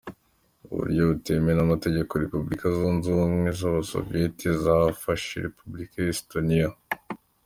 Mu buryo butemewe n’Amategeko Repubulika Zunze ubumwe Z’abasoviyete zafashe Repubulika ya Estonia.